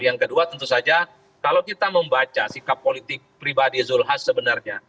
yang kedua tentu saja kalau kita membaca sikap politik pribadi zulhas sebenarnya